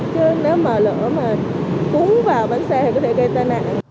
chứ nếu mà lỡ mà cúng vào bánh xe thì có thể gây tai nạn